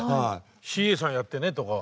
ＣＡさんやってねとか。